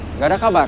enggak ada kabar